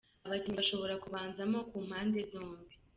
Abakinnyi bashobora Kubanzamo ku mpande zombi:.